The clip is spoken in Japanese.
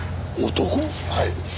はい。